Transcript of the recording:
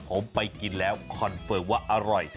ผมไปกินแล้วคอนเฟิร์มว่าอร่อย